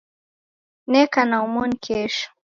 Neka na omoni kesho